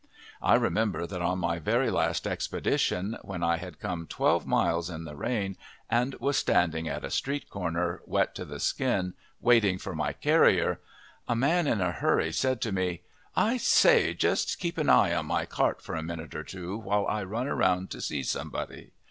I remember that on my very last expedition, when I had come twelve miles in the rain and was standing at a street corner, wet to the skin, waiting for my carrier, a man in a hurry said to me, "I say, just keep an eye on my cart for a minute or two while I run round to see somebody.